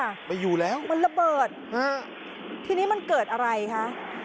ไม่อยู่แล้วมันระเบิดฮะทีนี้มันเกิดอะไรคะ